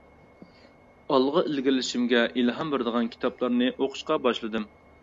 ئالغا ئىلگىرىلىشىمگە ئىلھام بېرىدىغان كىتابلارنى ئوقۇشقا باشلىدىم.